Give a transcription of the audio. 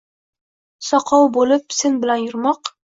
Soqov bo‘lib sen bilan yurmoq…